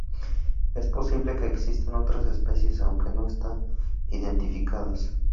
Es posible que existan otras especies, aunque no está identificadas.